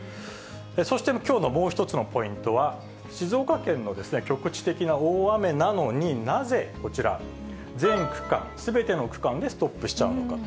そしてきょうのもう一つのポイントは、静岡県の局地的な大雨なのに、なぜ、こちら、全区間、すべての区間でストップしちゃうのか。